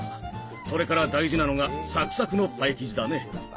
それから大事なのがサクサクのパイ生地だね。